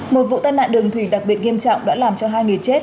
một vụ tai nạn đường thủy đặc biệt nghiêm trọng đã làm cho hai người chết